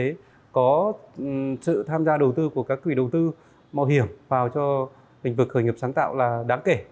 thì có sự tham gia đầu tư của các quỹ đầu tư mạo hiểm vào cho lĩnh vực khởi nghiệp sáng tạo là đáng kể